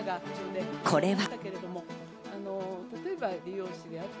これは。